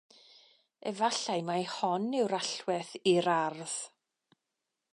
Efallai mai hon yw'r allwedd i'r ardd.